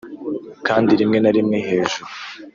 kandi rimwe na rimwe hejuru.